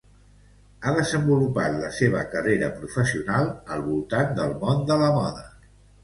Ha desenvolupat la seua carrera professional al voltant del món de la moda.